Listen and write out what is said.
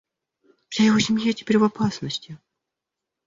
Вся его семья теперь в опасности.